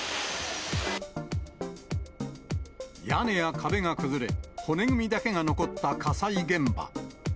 屋根や壁が崩れ、骨組みだけが残った火災現場。